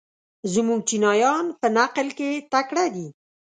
زموږ چینایان په نقل کې تکړه دي.